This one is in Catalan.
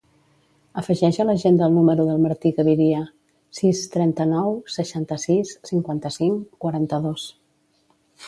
Afegeix a l'agenda el número del Martí Gaviria: sis, trenta-nou, seixanta-sis, cinquanta-cinc, quaranta-dos.